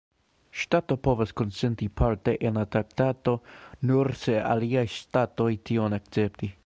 Ŝtato povas konsenti parte en la traktato, nur se aliaj ŝtatoj tion akcepti.